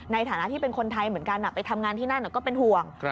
ในฐานะที่เป็นคนไทยเหมือนกันไปทำงานที่นั่นก็เป็นห่วง